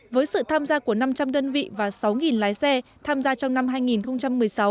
với sự tham gia của năm trăm linh đơn vị và sáu lái xe tham gia trong năm hai nghìn một mươi sáu